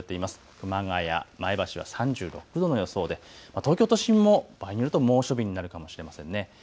熊谷、前橋は３６度の予想で東京都心も場合によると猛暑日になるかもしれませんね。